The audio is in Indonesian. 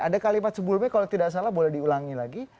ada kalimat sebelumnya kalau tidak salah boleh diulangi lagi